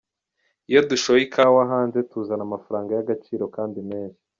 Iyo dushoye ikawa hanze, tuzana amafaranga y'agaciro kandi menshi.